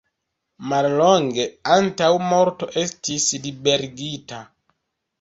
Mallonge antaŭ morto estis liberigita.